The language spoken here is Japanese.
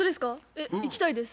えっ行きたいです。